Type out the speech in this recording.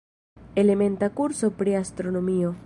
Elementa kurso pri astronomio.